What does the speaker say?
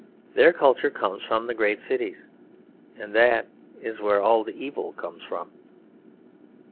Their culture comes from the great cities; and that is where all the evil comes from.